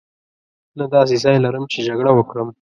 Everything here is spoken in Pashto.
نه داسې ځای لرم چې جګړه وکړم.